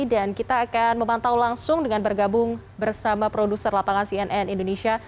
dan kita akan memantau langsung dengan bergabung bersama produser lapangan cnn indonesia